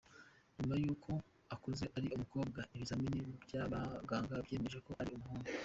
Nyuma y'uko akuze ari umukobwa, ibizamini by'abaganga byemeje ko ari umuhungu.